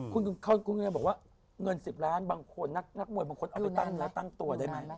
คุณเขาบอกว่าเงิน๑๐ล้านบางคนนักมวยบางคนเอาไปตั้งตัวได้ไหม